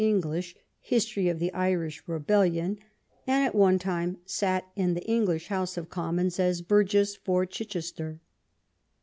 English History of the Irish Rebellion^ and at one time sat in the English Honse of Commons as burgess for Chichester.